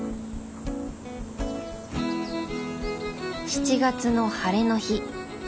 ７月の晴れの日。